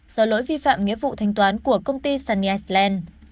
do lỗi vi phạm nghĩa vụ thanh toán của công ty sunny sland